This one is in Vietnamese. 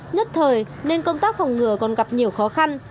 nhất thời nên công tác phòng ngừa còn gặp nhiều khó khăn